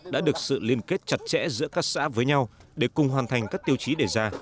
đã được sự liên kết chặt chẽ giữa các xã với nhau để cùng hoàn thành các tiêu chí đề ra